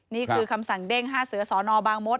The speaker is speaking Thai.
นี่คือคำสั่งเด้ง๕เสือสอนอบางมศ